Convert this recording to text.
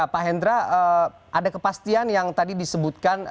pak hendra ada kepastian yang tadi disebutkan